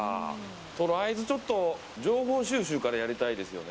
とりあえずちょっと情報収集からやりたいですね。